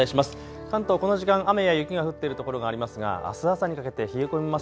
関東、この時間、雨や雪が降っている所がありますがあす朝にかけて冷え込みます。